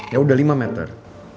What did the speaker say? ya udah lima meter